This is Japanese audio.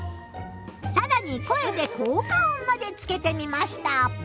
さらに声でこうか音までつけてみました！